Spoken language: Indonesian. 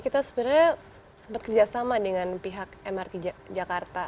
kita sebenarnya sempat kerjasama dengan pihak mrt jakarta